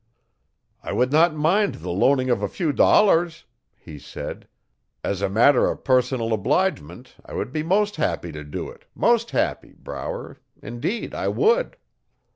'I would not mind the loaning of a few dollars,' he said, 'as a matter o' personal obligement I would be most happy to do it most happy, Brower, indeed I would.'